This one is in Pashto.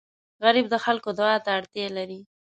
غریب د خلکو دعا ته اړتیا لري